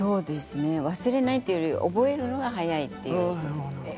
忘れないというより覚えるのが早いんです。